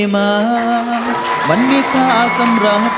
ขอโชคดีนะครับ